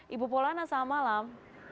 ibu polana selamat malam